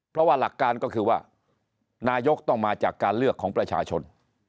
เพราะว่าหลักการก็คือว่านายกต้องมาจากการเลือกของประชาชน